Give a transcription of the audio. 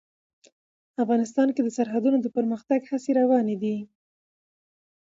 افغانستان کې د سرحدونه د پرمختګ هڅې روانې دي.